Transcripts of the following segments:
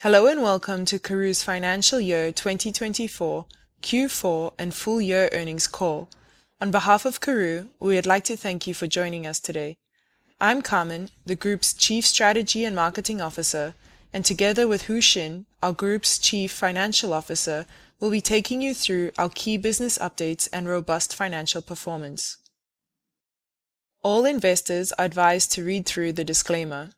Hello, and welcome to Karooooo's Financial Year 2024, Q4, and full year earnings call. On behalf of Karooooo, we would like to thank you for joining us today. I'm Carmen, the Group's Chief Strategy and Marketing Officer, and together with Hoe Shin Goy, our Group's Chief Financial Officer, we'll be taking you through our key business updates and robust financial performance. All investors are advised to read through the disclaimer.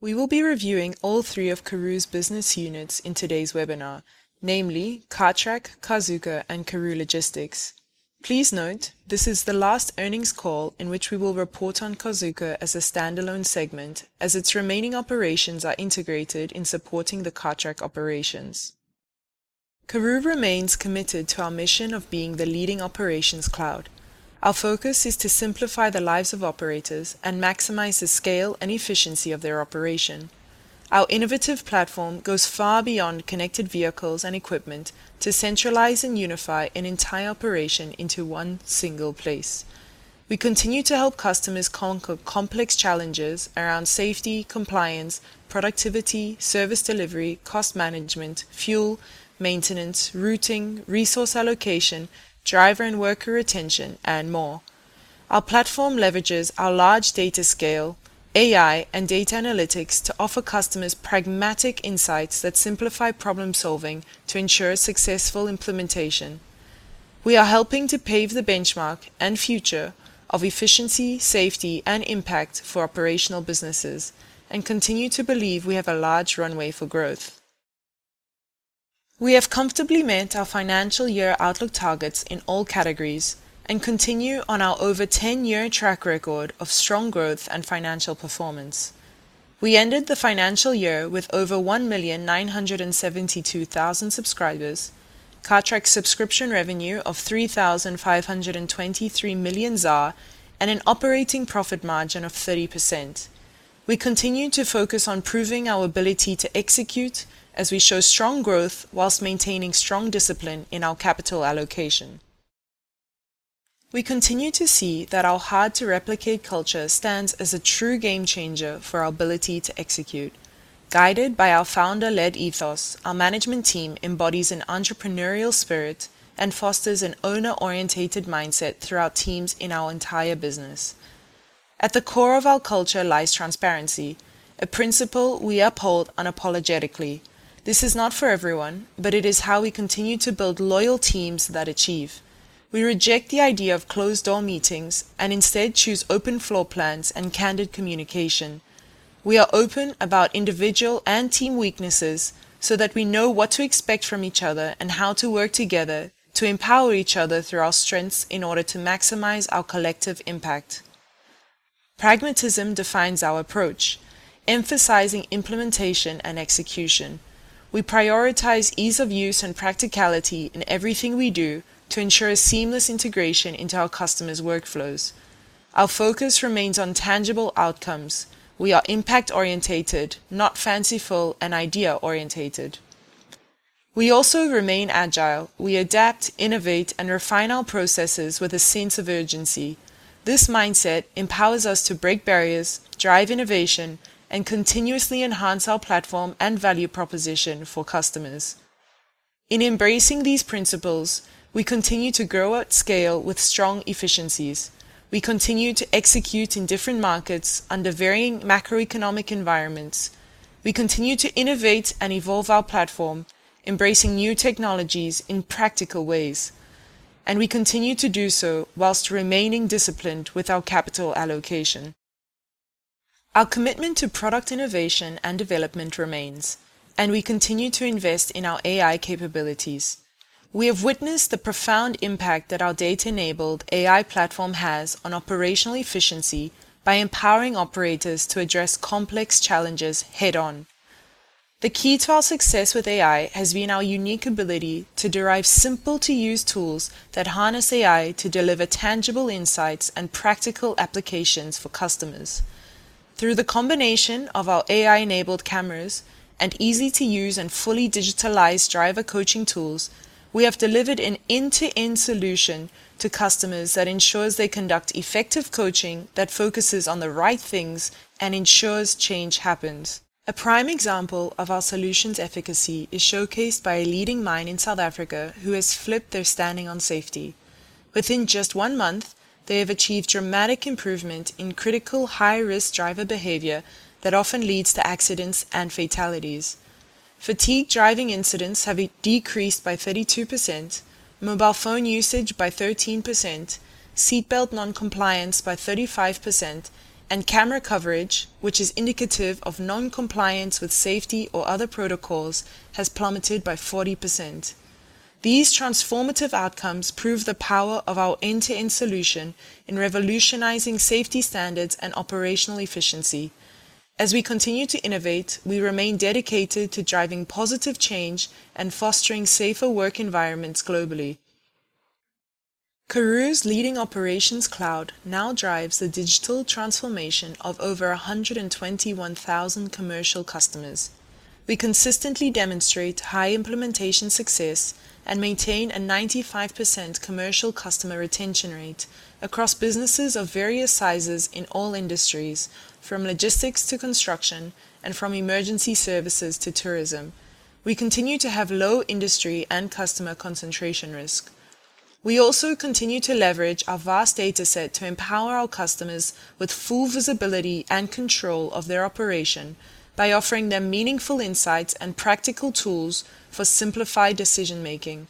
We will be reviewing all three of Karooooo's business units in today's webinar, namely Cartrack, Carzuka, and Karooooo Logistics. Please note, this is the last earnings call in which we will report on Carzuka as a standalone segment, as its remaining operations are integrated in supporting the Cartrack operations. Karooooo remains committed to our mission of being the leading operations cloud. Our focus is to simplify the lives of operators and maximize the scale and efficiency of their operation. Our innovative platform goes far beyond connected vehicles and equipment to centralize and unify an entire operation into one single place. We continue to help customers conquer complex challenges around safety, compliance, productivity, service delivery, cost management, fuel, maintenance, routing, resource allocation, driver and worker retention, and more. Our platform leverages our large data scale, AI, and data analytics to offer customers pragmatic insights that simplify problem-solving to ensure successful implementation. We are helping to pave the benchmark and future of efficiency, safety, and impact for operational businesses and continue to believe we have a large runway for growth. We have comfortably met our financial year outlook targets in all categories and continue on our over ten-year track record of strong growth and financial performance. We ended the financial year with over 1,972,000 subscribers, Cartrack subscription revenue of 3,523 million ZAR, and an operating profit margin of 30%. We continue to focus on proving our ability to execute as we show strong growth while maintaining strong discipline in our capital allocation. We continue to see that our hard-to-replicate culture stands as a true game changer for our ability to execute. Guided by our founder-led ethos, our management team embodies an entrepreneurial spirit and fosters an owner-oriented mindset through our teams in our entire business. At the core of our culture lies transparency, a principle we uphold unapologetically. This is not for everyone, but it is how we continue to build loyal teams that achieve. We reject the idea of closed-door meetings and instead choose open floor plans and candid communication. We are open about individual and team weaknesses so that we know what to expect from each other and how to work together to empower each other through our strengths in order to maximize our collective impact. Pragmatism defines our approach, emphasizing implementation and execution. We prioritize ease of use and practicality in everything we do to ensure seamless integration into our customers' workflows. Our focus remains on tangible outcomes. We are impact-orientated, not fanciful and idea-orientated. We also remain agile. We adapt, innovate, and refine our processes with a sense of urgency. This mindset empowers us to break barriers, drive innovation, and continuously enhance our platform and value proposition for customers. In embracing these principles, we continue to grow at scale with strong efficiencies. We continue to execute in different markets under varying macroeconomic environments. We continue to innovate and evolve our platform, embracing new technologies in practical ways, and we continue to do so while remaining disciplined with our capital allocation. Our commitment to product innovation and development remains, and we continue to invest in our AI capabilities. We have witnessed the profound impact that our data-enabled AI platform has on operational efficiency by empowering operators to address complex challenges head-on. The key to our success with AI has been our unique ability to derive simple-to-use tools that harness AI to deliver tangible insights and practical applications for customers. Through the combination of our AI-enabled cameras and easy-to-use and fully digitalized driver coaching tools, we have delivered an end-to-end solution to customers that ensures they conduct effective coaching that focuses on the right things and ensures change happens. A prime example of our solution's efficacy is showcased by a leading mine in South Africa, who has flipped their standing on safety. Within just one month, they have achieved dramatic improvement in critical high-risk driver behavior that often leads to accidents and fatalities. Fatigue driving incidents have decreased by 32%, mobile phone usage by 13%, seatbelt non-compliance by 35%, and camera coverage, which is indicative of non-compliance with safety or other protocols, has plummeted by 40%. These transformative outcomes prove the power of our end-to-end solution in revolutionizing safety standards and operational efficiency. As we continue to innovate, we remain dedicated to driving positive change and fostering safer work environments globally. Karooooo's leading operations cloud now drives the digital transformation of over 121,000 commercial customers. We consistently demonstrate high implementation success and maintain a 95% commercial customer retention rate across businesses of various sizes in all industries, from logistics to construction and from emergency services to tourism. We continue to have low industry and customer concentration risk. We also continue to leverage our vast data set to empower our customers with full visibility and control of their operation by offering them meaningful insights and practical tools for simplified decision-making.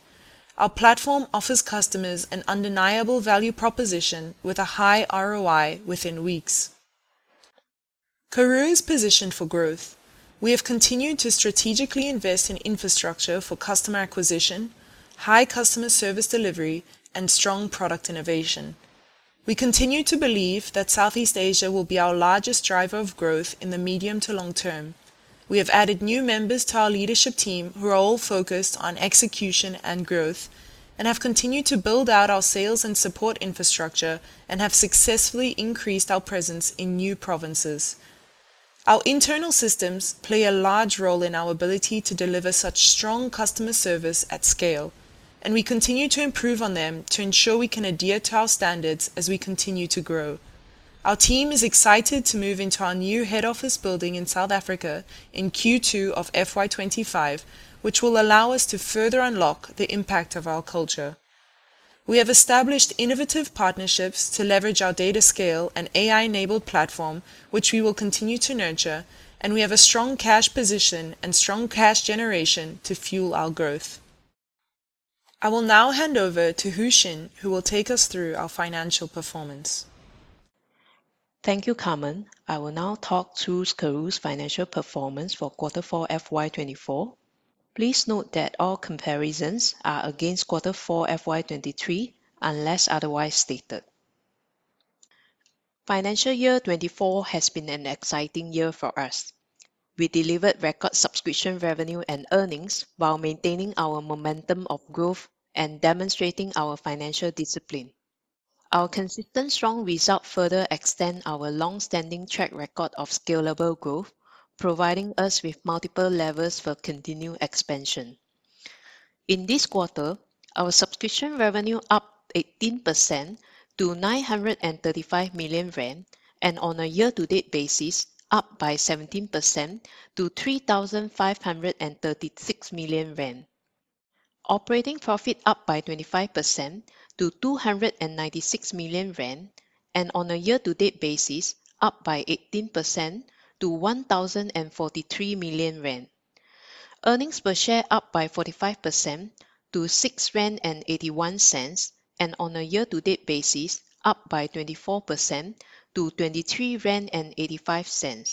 Our platform offers customers an undeniable value proposition with a high ROI within weeks. Karooooo is positioned for growth. We have continued to strategically invest in infrastructure for customer acquisition, high customer service delivery, and strong product innovation. We continue to believe that Southeast Asia will be our largest driver of growth in the medium to long term. We have added new members to our leadership team who are all focused on execution and growth, and have continued to build out our sales and support infrastructure, and have successfully increased our presence in new provinces. Our internal systems play a large role in our ability to deliver such strong customer service at scale, and we continue to improve on them to ensure we can adhere to our standards as we continue to grow. Our team is excited to move into our new head office building in South Africa in Q2 of FY25, which will allow us to further unlock the impact of our culture. We have established innovative partnerships to leverage our data scale and AI-enabled platform, which we will continue to nurture, and we have a strong cash position and strong cash generation to fuel our growth. I will now hand over to Hoe Shin Goy, who will take us through our financial performance. Thank you, Carmen. I will now talk through Karooooo's financial performance for Quarter four, FY2024. Please note that all comparisons are against Quarter four, FY2023, unless otherwise stated. Financial year 2024 has been an exciting year for us. We delivered record subscription revenue and earnings while maintaining our momentum of growth and demonstrating our financial discipline. Our consistent strong results further extend our long-standing track record of scalable growth, providing us with multiple levers for continued expansion. In this quarter, our subscription revenue up 18% to 935 million rand, and on a year-to-date basis, up by 17% to 3,536 million rand. Operating profit up by 25% to 296 million rand, and on a year-to-date basis, up by 18% to 1,043 million rand. Earnings per share up by 45% to 6.81 rand, and on a year-to-date basis, up by 24% to 23.85 rand.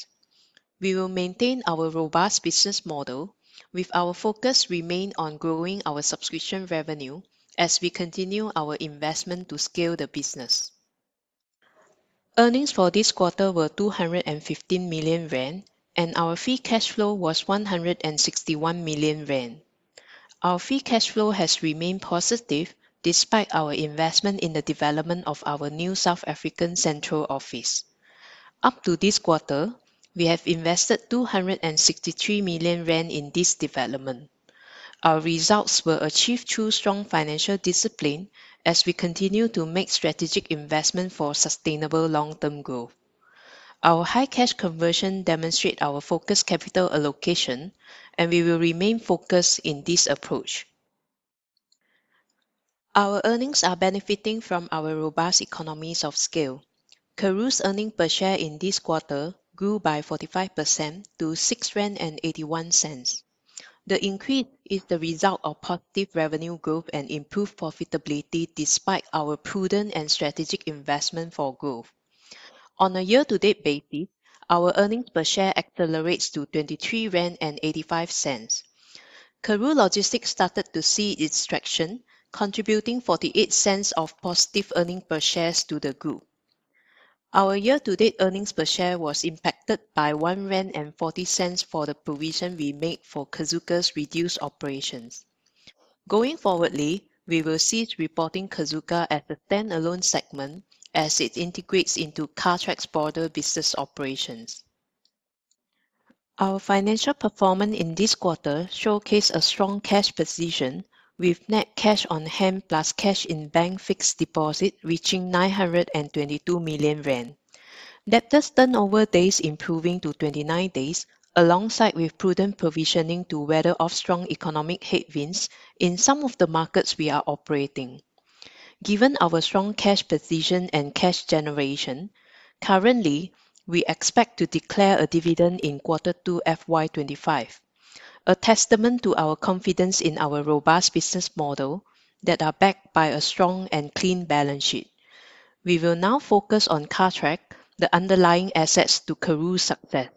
We will maintain our robust business model, with our focus remain on growing our subscription revenue as we continue our investment to scale the business. Earnings for this quarter were 215 million, and our free cash flow was 161 million. Our free cash flow has remained positive despite our investment in the development of our new South African central office. Up to this quarter, we have invested 263 million rand in this development. Our results were achieved through strong financial discipline as we continue to make strategic investment for sustainable long-term growth. Our high cash conversion demonstrate our focused capital allocation, and we will remain focused in this approach. Our earnings are benefiting from our robust economies of scale. Karooooo's earnings per share in this quarter grew by 45% to 6.81 rand. The increase is the result of positive revenue growth and improved profitability, despite our prudent and strategic investment for growth. On a year-to-date basis, our earnings per share accelerates to 23.85 rand. Karooooo Logistics started to see its traction, contributing 0.48 ZAR of positive earnings per shares to the group. Our year-to-date earnings per share was impacted by 1.40 rand for the provision we made for Carzuka's reduced operations. Going forwardly, we will cease reporting Carzuka as a stand-alone segment as it integrates into Cartrack's broader business operations. Our financial performance in this quarter showcased a strong cash position, with net cash on hand plus cash in bank fixed deposit reaching 922 million rand. Debtors' turnover days improving to 29 days, alongside with prudent provisioning to weather off strong economic headwinds in some of the markets we are operating. Given our strong cash position and cash generation, currently, we expect to declare a dividend in Quarter two, FY25, a testament to our confidence in our robust business model that are backed by a strong and clean balance sheet. We will now focus on Cartrack, the underlying assets to Karooooo's success.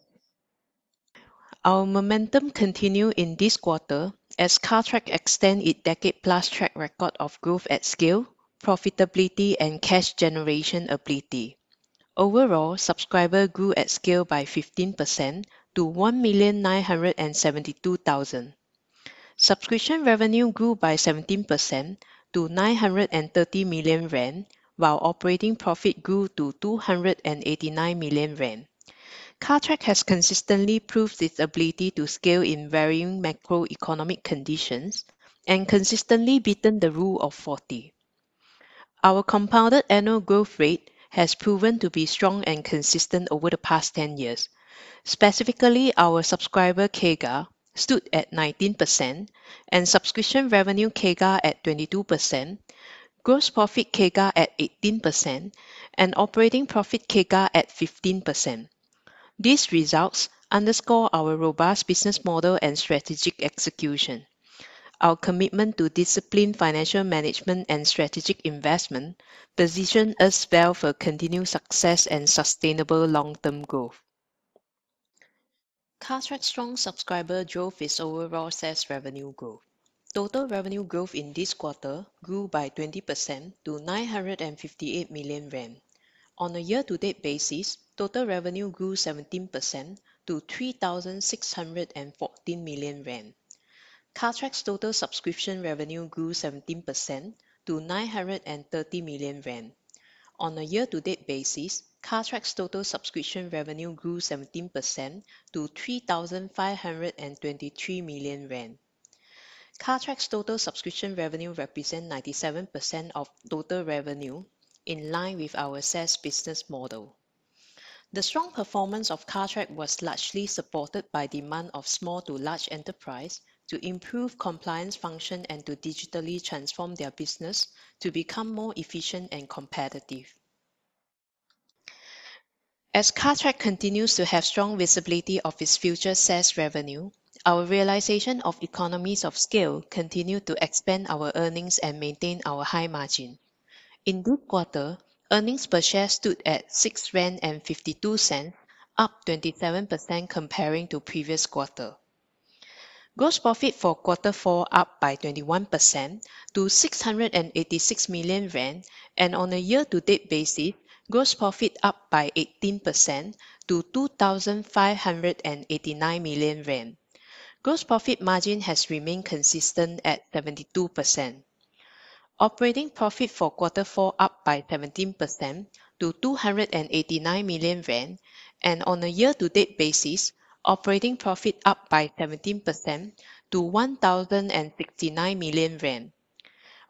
Our momentum continue in this quarter as Cartrack extend its decade-plus track record of growth at scale, profitability, and cash generation ability. Overall, subscriber grew at scale by 15% to 1,972,000. Subscription revenue grew by 17% to 930 million rand, while operating profit grew to 289 million rand. Cartrack has consistently proved its ability to scale in varying macroeconomic conditions and consistently beaten the Rule of 40.... Our compounded annual growth rate has proven to be strong and consistent over the past 10 years. Specifically, our subscriber CAGR stood at 19%, and subscription revenue CAGR at 22%, gross profit CAGR at 18%, and operating profit CAGR at 15%. These results underscore our robust business model and strategic execution. Our commitment to disciplined financial management and strategic investment position us well for continued success and sustainable long-term growth. Cartrack's strong subscriber drove its overall SaaS revenue growth. Total revenue growth in this quarter grew by 20% to 958 million rand. On a year-to-date basis, total revenue grew 17% to 3,614 million rand. Cartrack's total subscription revenue grew 17% to 930 million rand. On a year-to-date basis, Cartrack's total subscription revenue grew 17% to 3,523 million rand. Cartrack's total subscription revenue represent 97% of total revenue, in line with our SaaS business model. The strong performance of Cartrack was largely supported by demand of small to large enterprise to improve compliance function and to digitally transform their business to become more efficient and competitive. As Cartrack continues to have strong visibility of its future SaaS revenue, our realization of economies of scale continue to expand our earnings and maintain our high margin. In this quarter, earnings per share stood at 6.52 rand, up 27% comparing to previous quarter. Gross profit for Quarter Four up by 21% to 686 million rand, and on a year-to-date basis, gross profit up by 18% to 2,589 million rand. Gross profit margin has remained consistent at 72%. Operating profit for Quarter Four up by 17% to 289 million rand, and on a year-to-date basis, operating profit up by 17% to 1,069 million rand.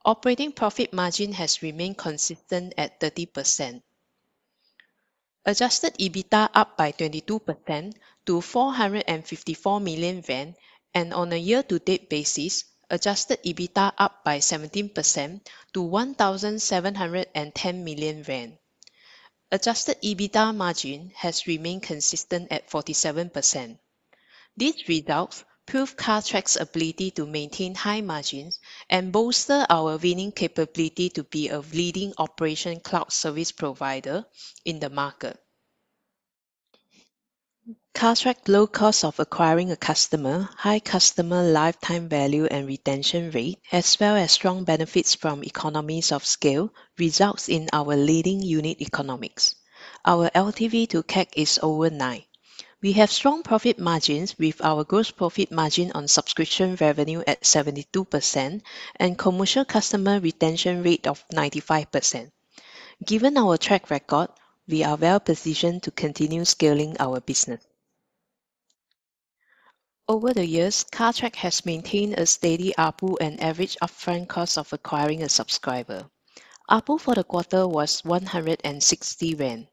Operating profit margin has remained consistent at 30%. Adjusted EBITDA up by 22% to 454 million, and on a year-to-date basis, adjusted EBITDA up by 17% to 1,710 million rand. Adjusted EBITDA margin has remained consistent at 47%. These results prove Cartrack's ability to maintain high margins and bolster our winning capability to be a leading operation cloud service provider in the market. Cartrack's low cost of acquiring a customer, high customer lifetime value and retention rate, as well as strong benefits from economies of scale, results in our leading unit economics. Our LTV to CAC is over nine. We have strong profit margins with our gross profit margin on subscription revenue at 72% and commercial customer retention rate of 95%. Given our track record, we are well-positioned to continue scaling our business. Over the years, Cartrack has maintained a steady ARPU and average upfront cost of acquiring a subscriber. ARPU for the quarter was 160 rand.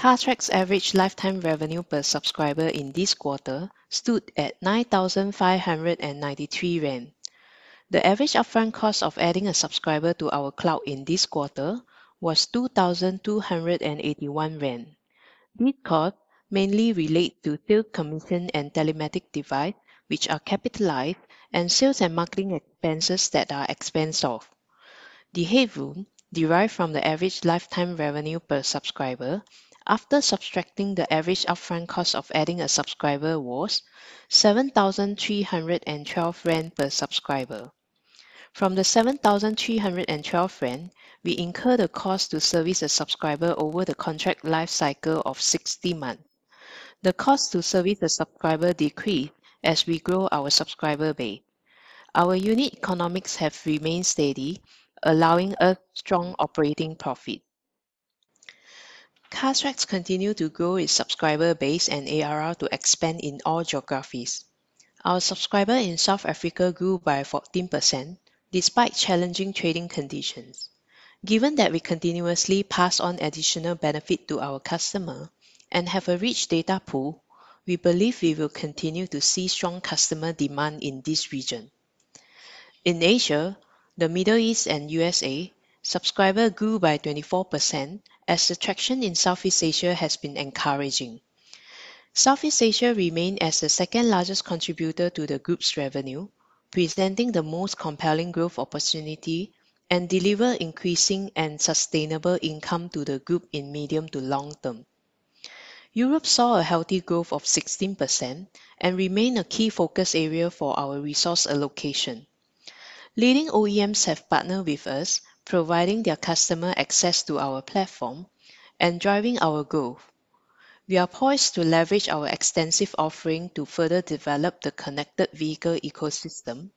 Cartrack's average lifetime revenue per subscriber in this quarter stood at 9,593 rand. The average upfront cost of adding a subscriber to our cloud in this quarter was 2,281 rand. These costs mainly relate to sales commission and telematics device, which are capitalized, and sales and marketing expenses that are expensed off. The headroom derived from the average lifetime revenue per subscriber, after subtracting the average upfront cost of adding a subscriber, was 7,312 rand per subscriber. From the 7,312 rand, we incur the cost to service a subscriber over the contract life cycle of 60 months. The cost to service a subscriber decrease as we grow our subscriber base. Our unit economics have remained steady, allowing a strong operating profit. Cartrack continue to grow its subscriber base and ARR to expand in all geographies. Our subscriber in South Africa grew by 14% despite challenging trading conditions. Given that we continuously pass on additional benefit to our customer and have a rich data pool, we believe we will continue to see strong customer demand in this region. In Asia, the Middle East and USA, subscriber grew by 24% as the traction in Southeast Asia has been encouraging. Southeast Asia remain as the second largest contributor to the group's revenue, presenting the most compelling growth opportunity and deliver increasing and sustainable income to the group in medium to long term. Europe saw a healthy growth of 16% and remain a key focus area for our resource allocation. Leading OEMs have partnered with us, providing their customer access to our platform and driving our growth. We are poised to leverage our extensive offering to further develop the connected vehicle ecosystem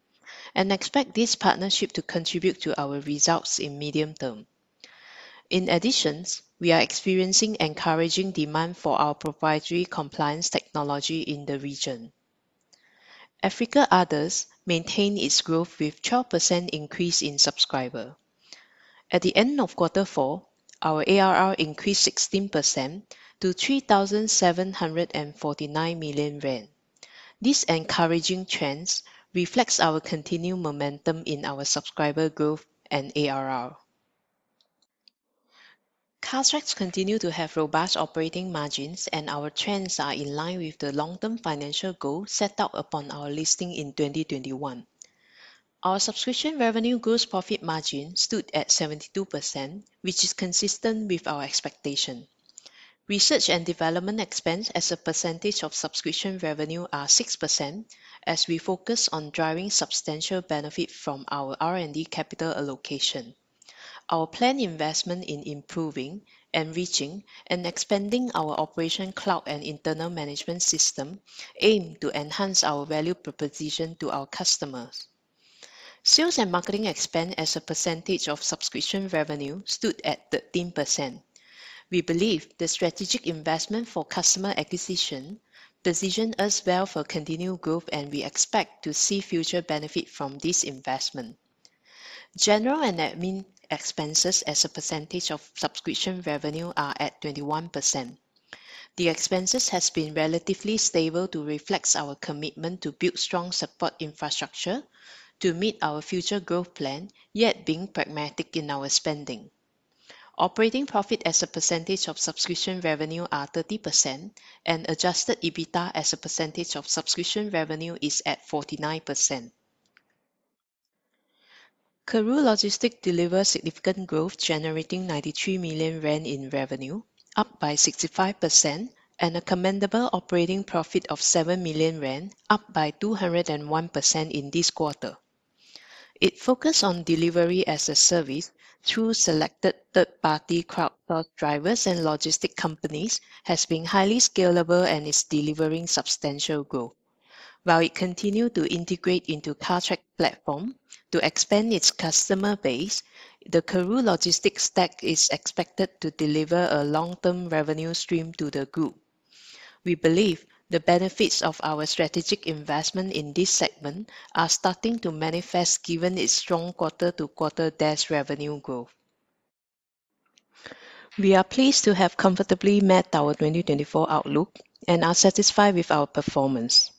and expect this partnership to contribute to our results in medium term. In addition, we are experiencing encouraging demand for our proprietary compliance technology in the region. Africa Others maintained its growth with 12% increase in subscriber. At the end of quarter four, our ARR increased 16% to 3,749 million rand. These encouraging trends reflects our continued momentum in our subscriber growth and ARR. Cartrack continue to have robust operating margins, and our trends are in line with the long-term financial goal set out upon our listing in 2021. Our subscription revenue gross profit margin stood at 72%, which is consistent with our expectation. Research and development expense as a percentage of subscription revenue are 6%, as we focus on driving substantial benefit from our R&D capital allocation. Our planned investment in improving, enriching, and expanding our Operations Cloud and internal management system aim to enhance our value proposition to our customers. Sales and marketing expense as a percentage of subscription revenue stood at 13%. We believe the strategic investment for customer acquisition positions us well for continued growth, and we expect to see future benefit from this investment. General and admin expenses as a percentage of subscription revenue are at 21%. The expenses have been relatively stable to reflect our commitment to build strong support infrastructure to meet our future growth plan, yet being pragmatic in our spending. Operating profit as a percentage of subscription revenue are 30%, and Adjusted EBITDA as a percentage of subscription revenue is at 49%. Karooooo Logistics delivered significant growth, generating 93 million rand in revenue, up by 65%, and a commendable operating profit of 7 million rand, up by 201% in this quarter. It focused on delivery as a service through selected third-party crowdsource drivers and logistics companies, has been highly scalable and is delivering substantial growth. While it continued to integrate into Cartrack platform to expand its customer base, the Karooooo Logistics stack is expected to deliver a long-term revenue stream to the group. We believe the benefits of our strategic investment in this segment are starting to manifest, given its strong quarter-to-quarter revenue growth. We are pleased to have comfortably met our 2024 outlook and are satisfied with our performance.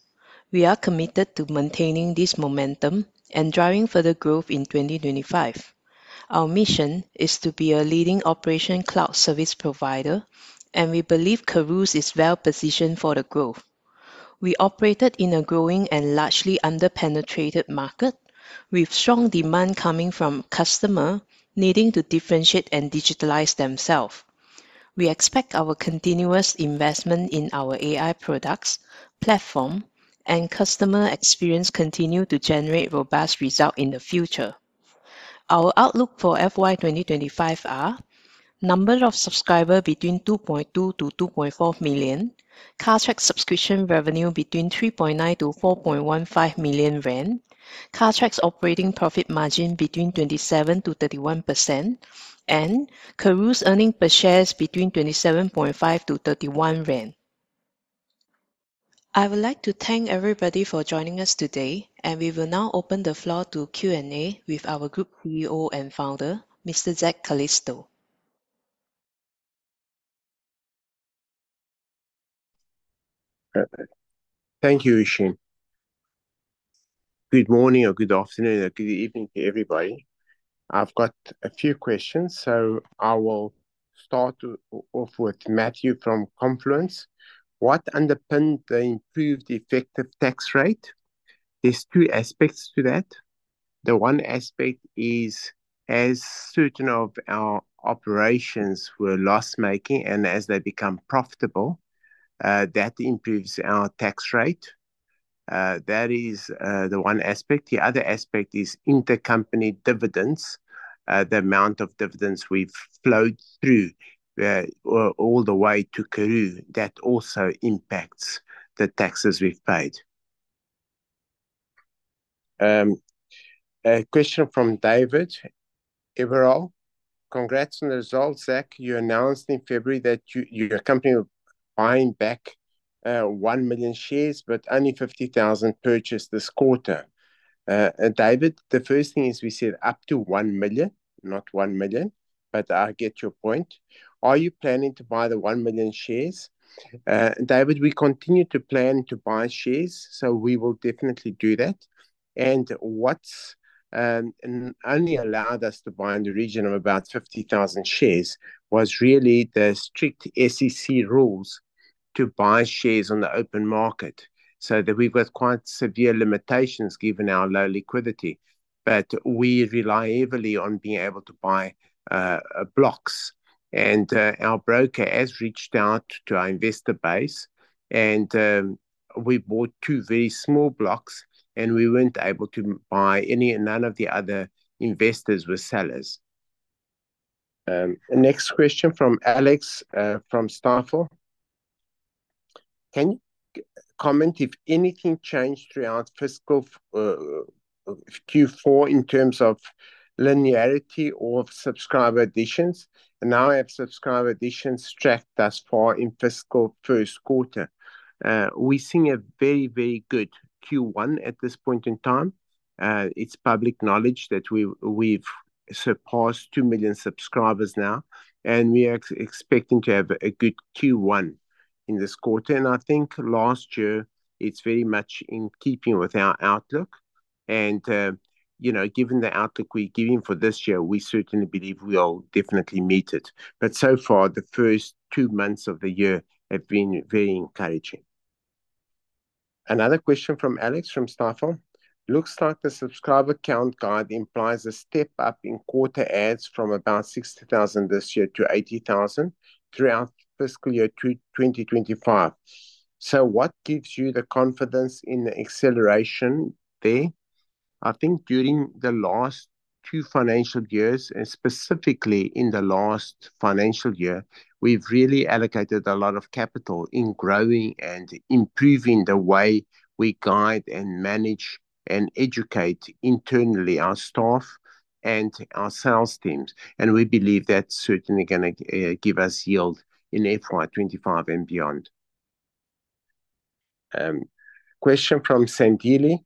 We are committed to maintaining this momentum and driving further growth in 2025. Our mission is to be a leading operation cloud service provider, and we believe Karooooo is well positioned for the growth. We operated in a growing and largely under-penetrated market, with strong demand coming from customers needing to differentiate and digitalize themselves. We expect our continuous investment in our AI products, platform, and customer experience continue to generate robust result in the future. Our outlook for FY 2025 are: number of subscriber between 2.2-2.4 million, Cartrack subscription revenue between 3.9 million-4.15 million rand, Cartrack's operating profit margin between 27%-31%, and Karooooo's earnings per share is between 27.5-31 rand. I would like to thank everybody for joining us today, and we will now open the floor to Q&A with our Group CEO and founder, Mr. Zak Calisto. Thank you, Hoe Shin Goy. Good morning or good afternoon or good evening to everybody. I've got a few questions. So I will start off with Matthew from Confluence. What underpinned the improved effective tax rate? There's two aspects to that. The one aspect is, as certain of our operations were loss-making, and as they become profitable, that improves our tax rate. That is the one aspect. The other aspect is intercompany dividends, the amount of dividends we've flowed through, all the way to Karooooo. That also impacts the taxes we've paid. A question from David Everall: Congrats on the results, Zak. You announced in February that your company was buying back, 1 million shares, but only 50,000 purchased this quarter. David, the first thing is we said up to 1 million, not 1 million, but I get your point. Are you planning to buy the 1 million shares? David, we continue to plan to buy shares, so we will definitely do that. And what's, and only allowed us to buy in the region of about 50,000 shares was really the strict SEC rules to buy shares on the open market. So that we've got quite severe limitations given our low liquidity, but we rely heavily on being able to buy, blocks. And, our broker has reached out to our investor base, and, we bought two very small blocks, and we weren't able to buy any... None of the other investors were sellers. Next question from Alex, from Stifel. Can you comment if anything changed throughout fiscal, Q4 in terms of linearity or subscriber additions? And how have subscriber additions tracked thus far in fiscal first quarter? We're seeing a very, very good Q1 at this point in time. It's public knowledge that we've surpassed 2 million subscribers now, and we are expecting to have a good Q1 in this quarter. And I think last year it's very much in keeping with our outlook. And, you know, given the outlook we're giving for this year, we certainly believe we'll definitely meet it. But so far, the first two months of the year have been very encouraging. Another question from Alex, from Stifel. "Looks like the subscriber count guide implies a step up in quarter adds from about 60,000 this year to 80,000 throughout fiscal year 2025. So what gives you the confidence in the acceleration there?" I think during the last two financial years, and specifically in the last financial year, we've really allocated a lot of capital in growing and improving the way we guide and manage and educate internally our staff and our sales teams, and we believe that's certainly gonna give us yield in FY 2025 and beyond. Question from Sean Gilley: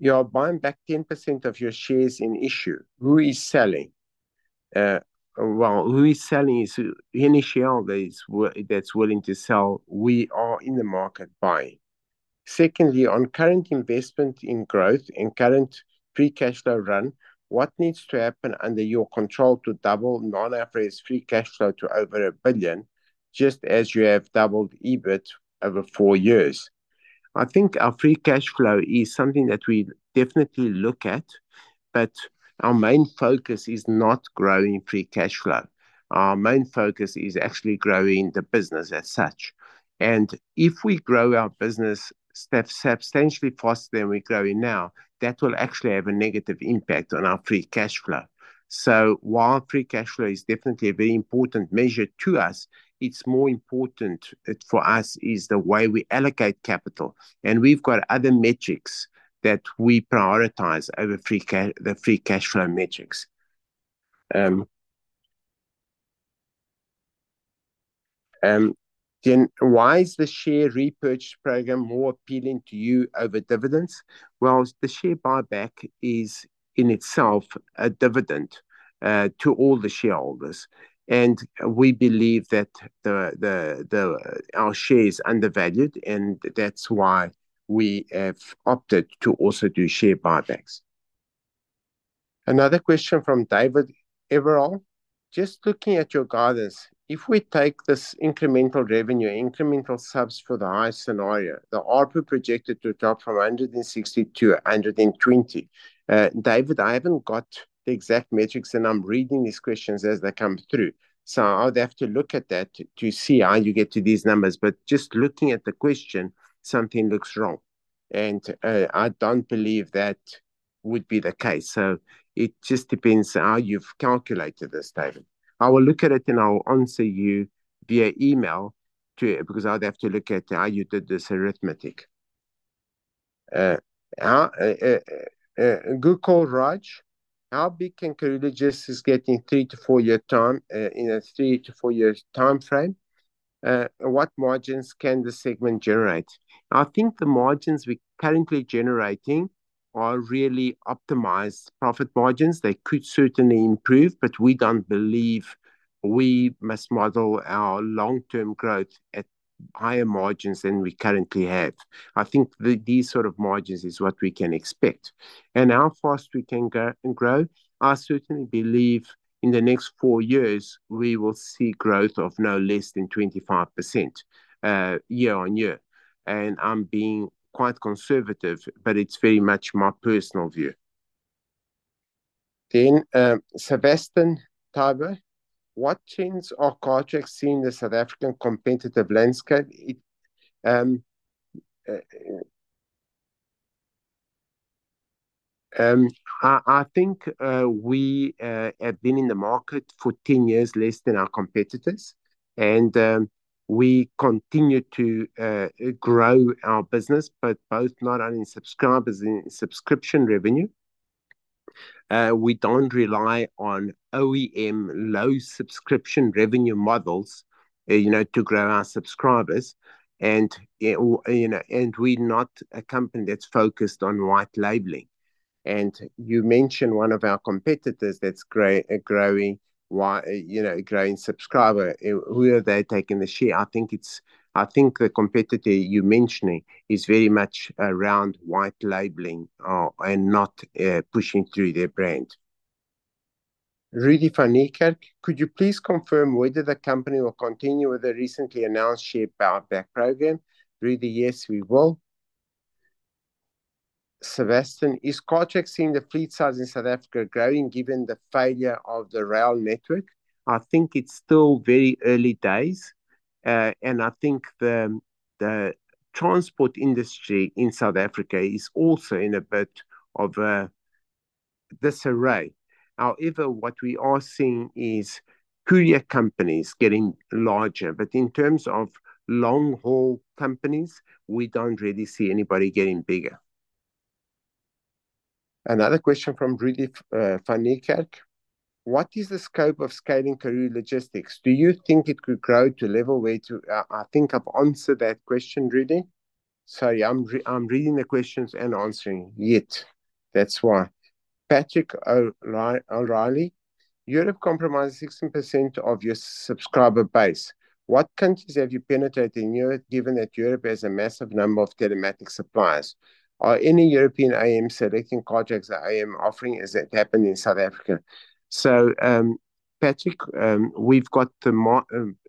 "You are buying back 10% of your shares in issue. Who is selling?" Well, who is selling is any shareholder that's willing to sell, we are in the market buying. Secondly, on current investment in growth and current free cash flow run, what needs to happen under your control to double [Non-AFRIS] free cash flow to over 1 billion, just as you have doubled EBIT over four years?" I think our free cash flow is something that we definitely look at, but our main focus is not growing free cash flow. Our main focus is actually growing the business as such. And if we grow our business substantially faster than we're growing now, that will actually have a negative impact on our free cash flow. So while free cash flow is definitely a very important measure to us, it's more important for us is the way we allocate capital. And we've got other metrics that we prioritize over the free cash flow metrics. Then, "Why is the share repurchase program more appealing to you over dividends?" Well, the share buyback is, in itself, a dividend to all the shareholders. And we believe that our share is undervalued, and that's why we have opted to also do share buybacks. Another question from David Everal. "Just looking at your guidance, if we take this incremental revenue, incremental subs for the high scenario, the ARPU projected to drop from 160 ZAR to 120 ZAR." David, I haven't got the exact metrics, and I'm reading these questions as they come through, so I'd have to look at that to see how you get to these numbers. But just looking at the question, something looks wrong, and I don't believe that would be the case. So it just depends how you've calculated this, David. I will look at it, and I will answer you via email to... because I'd have to look at how you did this arithmetic. Good call, Raj. "How big can Karooooo Logistics get in 3-4-year time, in a 3-4-year timeframe? What margins can the segment generate?" I think the margins we're currently generating are really optimized profit margins. They could certainly improve, but we don't believe we must model our long-term growth at higher margins than we currently have. I think the, these sort of margins is what we can expect. And how fast we can go and grow? I certainly believe in the next four years, we will see growth of no less than 25%, year on year. And I'm being quite conservative, but it's very much my personal view. Then, Sebastian Stieber: "What trends are Cartrack seeing in the South African competitive landscape?" I think we have been in the market for 10 years less than our competitors, and we continue to grow our business, but both not only in subscribers, in subscription revenue. We don't rely on OEM low subscription revenue models, you know, to grow our subscribers. And, you know, and we're not a company that's focused on white labeling. And you mentioned one of our competitors that's growing white... you know, growing subscriber. Where are they taking the share? I think the competitor you're mentioning is very much around white labeling, and not pushing through their brand. Rudi van Niekerk: "Could you please confirm whether the company will continue with the recently announced share buyback program?" Rudi, yes, we will. Sebastian: "Is Cartrack seeing the fleet size in South Africa growing, given the failure of the rail network?" I think it's still very early days, and I think the transport industry in South Africa is also in a bit of disarray. However, what we are seeing is courier companies getting larger. But in terms of long-haul companies, we don't really see anybody getting bigger. Another question from Rudi van Niekerk... What is the scope of scaling Karooooo Logistics? Do you think it could grow to a level where to, I think I've answered that question already. Sorry, I'm reading the questions and answering it. That's why. Patrick O'Reilly, "Europe comprises 16% of your subscriber base. What countries have you penetrated in Europe, given that Europe has a massive number of telematics suppliers? Are any European OEMs selecting Cartrack's OEM offering as it happened in South Africa?" So, Patrick, we've got,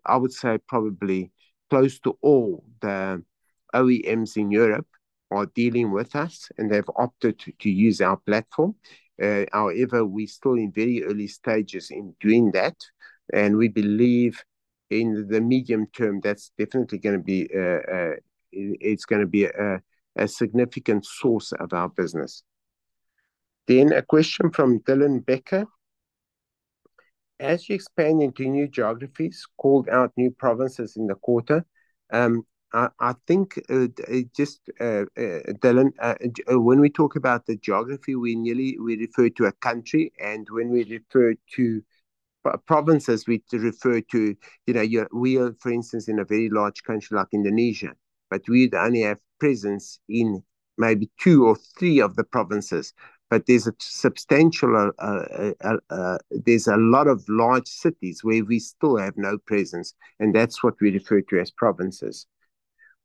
I would say probably close to all the OEMs in Europe are dealing with us, and they've opted to use our platform. However, we're still in very early stages in doing that, and we believe in the medium term, that's definitely gonna be a significant source of our business. Then a question from Dylan Becker: "As you expand into new geographies, called out new provinces in the quarter," I think, just, Dylan, when we talk about the geography, we refer to a country, and when we refer to provinces, we refer to, you know, we are, for instance, in a very large country like Indonesia, but we only have presence in maybe two or three of the provinces. But there's a substantial, there's a lot of large cities where we still have no presence, and that's what we refer to as provinces.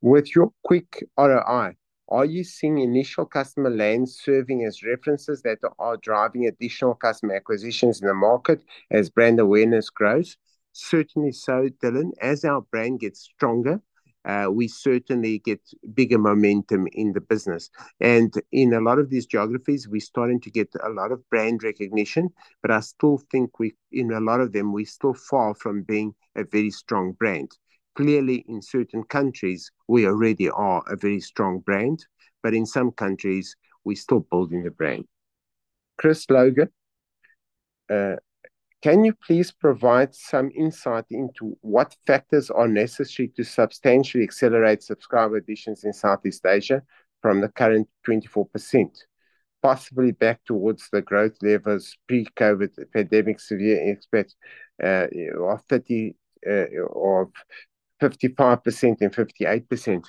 "With your quick ROI, are you seeing initial customer lands serving as references that are driving additional customer acquisitions in the market as brand awareness grows?" Certainly so, Dylan. As our brand gets stronger, we certainly get bigger momentum in the business. In a lot of these geographies, we're starting to get a lot of brand recognition, but I still think we, in a lot of them, we're still far from being a very strong brand. Clearly, in certain countries, we already are a very strong brand, but in some countries, we're still building the brand. Chris Logan: "Can you please provide some insight into what factors are necessary to substantially accelerate subscriber additions in Southeast Asia from the current 24%, possibly back towards the growth levels pre-COVID pandemic severe impact of 30 or 55% and 58%?"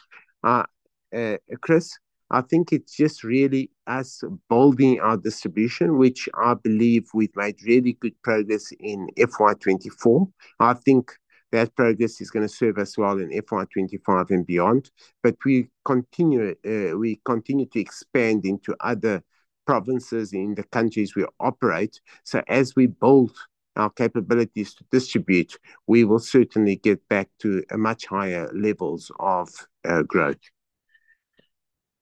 Chris, I think it's just really us building our distribution, which I believe we've made really good progress in FY 2024. I think that progress is gonna serve us well in FY 25 and beyond, but we continue, we continue to expand into other provinces in the countries we operate. So as we build our capabilities to distribute, we will certainly get back to a much higher levels of growth.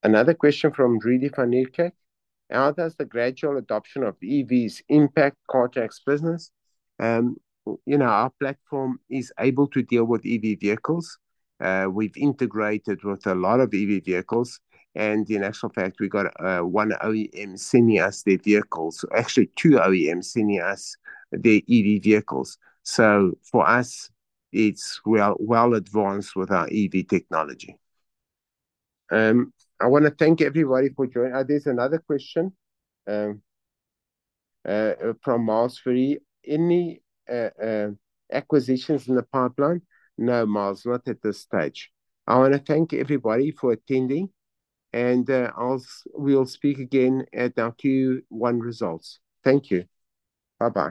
Another question from Rudi Van Niekerk: "How does the gradual adoption of EVs impact Cartrack's business?" You know, our platform is able to deal with EV vehicles. We've integrated with a lot of EV vehicles, and in actual fact, we got 1 OEM sending us their vehicles. Actually, two OEMs sending us their EV vehicles. So for us, it's well, well advanced with our EV technology. I wanna thank everybody for joining. There's another question from Miles Free: "Any acquisitions in the pipeline?" No, Miles, not at this stage. I wanna thank everybody for attending, and we'll speak again at our Q1 results. Thank you. Bye-bye.